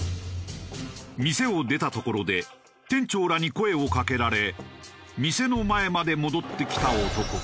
店を出たところで店長らに声をかけられ店の前まで戻ってきた男。